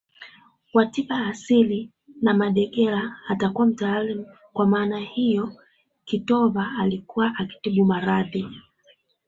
wa tiba asilia na mudegela atakuwa mtawala kwa maana hiyo kitova alikuwa akitibu maradhi